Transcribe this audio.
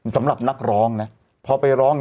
สำหรับนักร้องนะพอไปร้อง